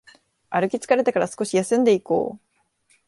歩き疲れたから少し休んでいこう